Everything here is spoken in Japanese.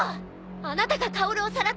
あなたがカオルをさらったの？